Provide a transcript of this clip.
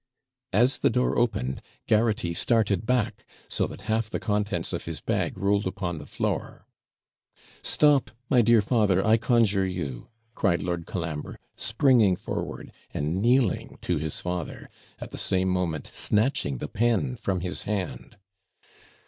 As the door opened, Garraghty started back, so that half the contents of his bag rolled upon the floor. 'Stop, my dear father, I conjure you,' cried Lord Colambre, springing forward, and kneeling to his father; at the same moment snatching the pen from his hand.